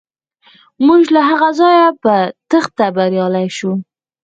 موږ له هغه ځایه په تیښته بریالي شو.